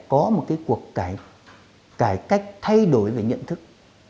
cải cách thay đổi về nhận thức